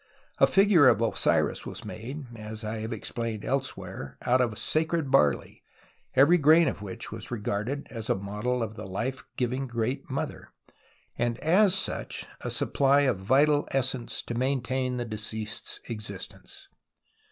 A figure of Osiris was made, as I have explained elsewhere (p. 01), out of the sacred barley, every grain of wliich was regarded as a model of the life giving Great JNIother, and as such a supply of vital essence to maintain the deceased's existence.